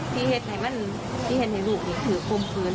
ที่เห็นให้ลูกถือโคมฟื้น